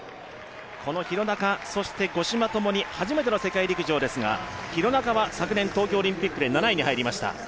この廣中、五島ともに初めての世界陸上ですが廣中は昨年、東京オリンピックで７位に入りました。